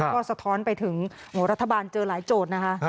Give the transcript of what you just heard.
ก็สะท้อนไปถึงรัฐบาลเจอหลายโจทย์นะคะ